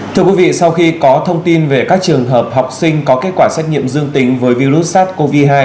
thưa quý vị sau khi có thông tin về các trường hợp học sinh có kết quả xét nghiệm dương tính với virus sars cov hai